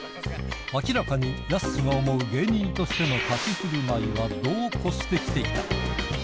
明らかにやすしが思う芸人としての立ち居ふるまいは度を越してきていた。